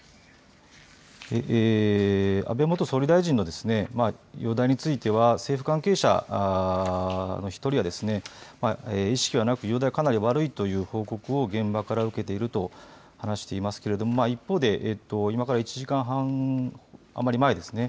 安倍元総理大臣の容体については政府関係者の１人は意識はなく容体はかなり悪いという報告を現場から受けていると話していますけれども一方で今から１時間半余り前ですね。